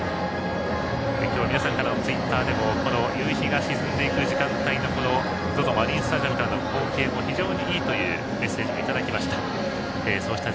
今日は皆さんからのツイッターでも夕日が沈んでいく時間帯のＺＯＺＯマリンスタジアムからの光景も非常にいいというメッセージもいただきました。